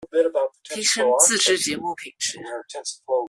提昇自製節目品質